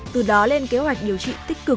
từ đó lên kế hoạch điều trị tích cực lâu dài